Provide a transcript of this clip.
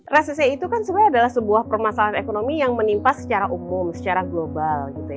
resesi itu kan sebenarnya adalah sebuah permasalahan ekonomi yang menimpa secara umum secara global